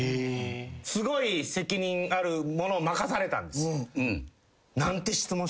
すごい責任あるもの任されたんです。